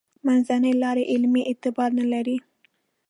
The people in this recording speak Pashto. منځنۍ لاره علمي اعتبار نه لري.